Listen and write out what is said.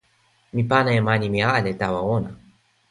mi pana e mani mi ale tawa ona.